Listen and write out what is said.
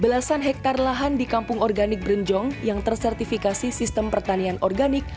belasan hektare lahan di kampung organik berenjong yang tersertifikasi sistem pertanian organik